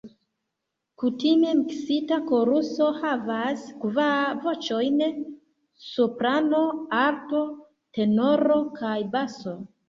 Kutime miksita koruso havas kvar voĉojn: Soprano, Alto, Tenoro kaj Baso.